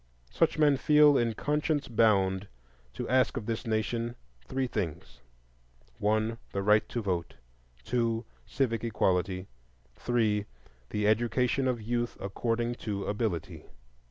Such men feel in conscience bound to ask of this nation three things: 1. The right to vote. 2. Civic equality. 3. The education of youth according to ability.